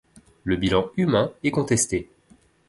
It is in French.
Le bilan humain est contesté.